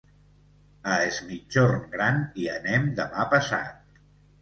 A Es Migjorn Gran hi anem demà passat.